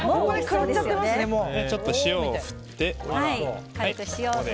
ちょっと塩を振って。